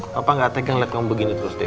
papa gak tegang liat kamu begini terus deh